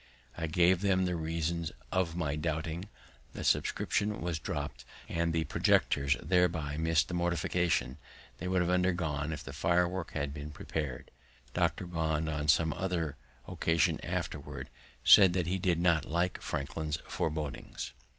I gave them the reasons of my doubting; the subscription was dropt, and the projectors thereby missed the mortification they would have undergone if the firework had been prepared. Dr. Bond, on some other occasion afterward, said that he did not like Franklin's forebodings.